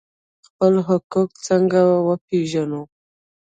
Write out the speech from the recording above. خپل حقوق څنګه وپیژنو؟